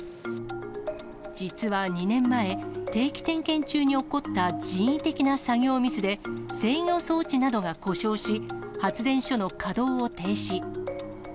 実は２年前、定期点検中に起こった人為的な作業ミスで、制御装置などが故障し、発電所の稼働を停止。